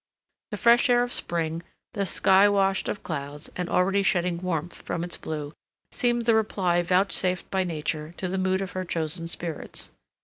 The fresh air of spring, the sky washed of clouds and already shedding warmth from its blue, seemed the reply vouchsafed by nature to the mood of her chosen spirits.